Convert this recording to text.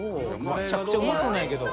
めちゃくちゃうまそうなんやけど。